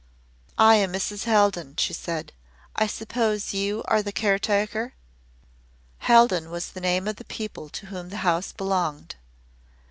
"I am Mrs. Haldon," she said. "I suppose you are the caretaker?" Haldon was the name of the people to whom the house belonged.